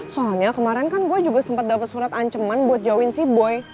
soalnya kemarin kan gue juga sempat dapet surat anceman buat jauhin si boy